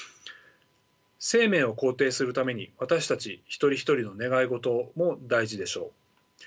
生命を肯定するために私たち一人一人の願い事も大事でしょう。